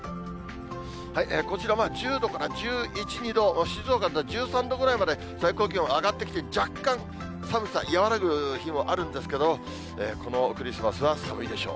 こちら、１０度から１１、２度、静岡だと１３度ぐらいまで最高気温上がってきて、若干寒さ和らぐ日もあるんですけど、このクリスマスは寒いでしょう。